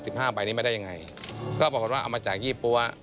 สิบห้าใบนี้ไม่ได้ยังไงก็ปรากฏว่าเอามาจากยี่ปั๊ว